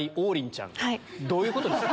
どういうことですか？